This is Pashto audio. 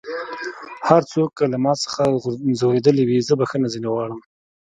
هر څوک که له ما څخه ځؤرېدلی وي زه بخښنه ځينې غواړم